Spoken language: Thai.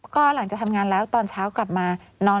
ก็หลังจากทำงานแล้วตอนเช้ากลับมานอน